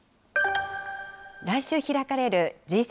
来週開かれるＧ７・